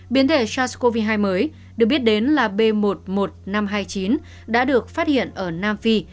biến thể sars cov hai mới được biết đến là b một mươi một nghìn năm trăm hai mươi chín đã được phát hiện ở nam phi